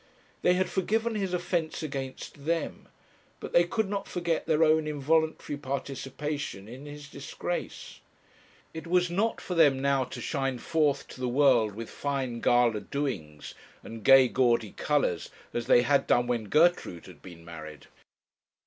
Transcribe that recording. They had forgiven his offence against them, but they could not forget their own involuntary participation in his disgrace. It was not for them now to shine forth to the world with fine gala doings, and gay gaudy colours, as they had done when Gertrude had been married.